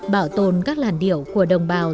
bảo tồn các làn điểu của đồng bào